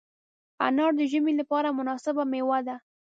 انار د ژمي لپاره مناسبه مېوه ده.